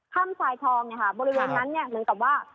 ค่ำสายทองบริเวณนั้นเหมือนกับว่า